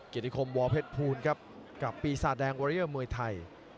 เกดีคมวอร์เพชรพูนครับกับปีศาสตร์แดงวอร์เยอร์มวยไทย